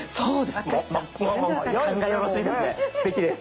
すてきです。